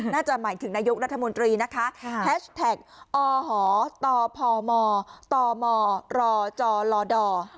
น่าจะหมายถึงนายุครัฐมนตรีนะคะแฮชแท็กอ๋อหอต่อพอหมอต่อหมอรอจอลอด่อ